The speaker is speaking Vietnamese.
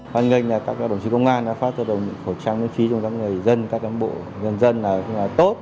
hoàn nghênh là các đồng chí công an đã phát tạo khẩu trang miễn phí cho các người dân các đồng bộ nhân dân là tốt